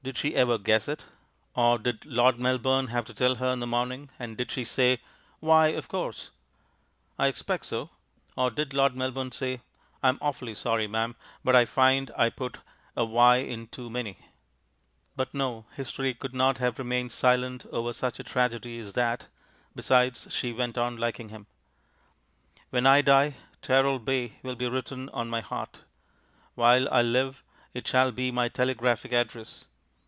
Did she ever guess it? Or did Lord Melbourne have to tell her in the morning, and did she say, "Why, of course!" I expect so. Or did Lord Melbourne say, "I'm awfully sorry, madam, but I find I put a `y' in too many?" But no history could not have remained silent over such a tragedy as that. Besides, she went on liking him. When I die "Teralbay" will be written on my heart. While I live it shall be my telegraphic address.